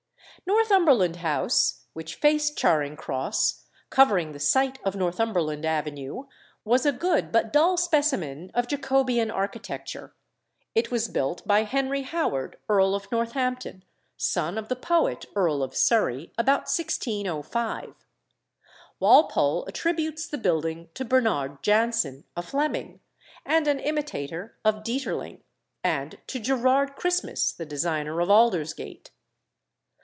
Northumberland House, which faced Charing Cross, covering the site of Northumberland Avenue, was a good but dull specimen of Jacobean architecture; it was built by Henry Howard, Earl of Northampton, son of the poet Earl of Surrey, about 1605. Walpole attributes the building to Bernard Jansen, a Fleming, and an imitator of Dieterling, and to Gerard Christmas, the designer of Aldersgate.